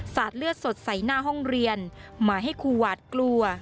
เลือดสดใส่หน้าห้องเรียนมาให้ครูหวาดกลัว